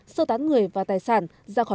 sơ tán người và đồng bào